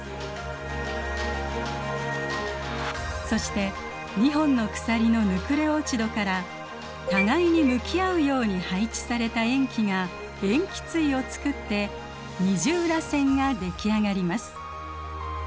そして２本の鎖のヌクレオチドから互いに向き合うように配置された塩基が塩基対をつくって二重らせんが出来上がります。